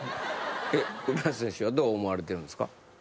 栗林選手はどう思われてるんですか？